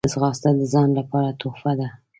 ځغاسته د ځان لپاره تحفه ده